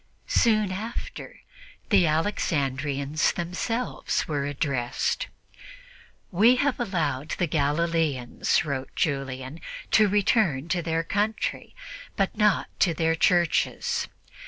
Soon after, the Alexandrians themselves were addressed. "We have allowed the Galileans," wrote Julian, "to return to their country, but not to their churches.